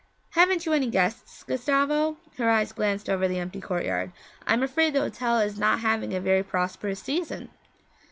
'Haven't you any guests, Gustavo?' Her eyes glanced over the empty courtyard. 'I am afraid the hotel is not having a very prosperous season.'